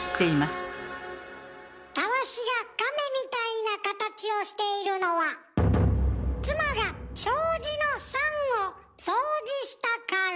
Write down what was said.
たわしが亀みたいな形をしているのは妻が障子のサンを掃除したから。